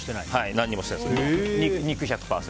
何もしてないです、肉１００％。